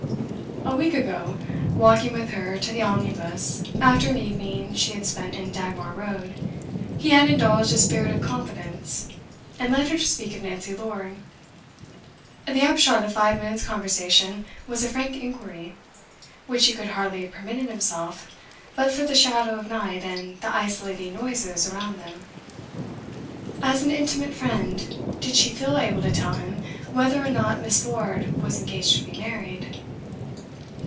A week ago, walking with her to the omnibus after an evening she had spent in Dagmar Road, he had indulged a spirit of confidence, and led her to speak of Nancy Lord. The upshot of five minutes' conversation was a frank inquiry, which he could hardly have permitted himself but for the shadow of night and the isolating noises around them. As an intimate friend, did she feel able to tell him whether or not Miss. Lord was engaged to be married?